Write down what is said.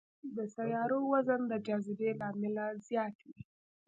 د سیارو وزن د جاذبې له امله زیات وي.